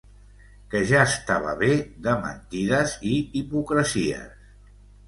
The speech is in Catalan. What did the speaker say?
Que ja estava bé de mentides i hipocresies.